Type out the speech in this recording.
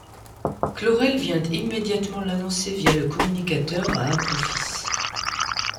Klorel vient immédiatement l'annoncer via le communicateur à Apophis.